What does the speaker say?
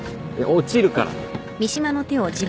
落ちるから。